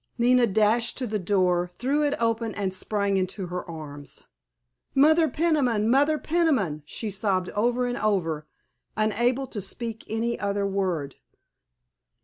Nina dashed to the door, threw it open, and sprang into her arms. "Mother Peniman, Mother Peniman!" she sobbed over and over, unable to speak any other word.